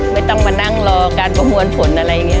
ไม่ต้องมานั่งรอการประมวลผลอะไรอย่างนี้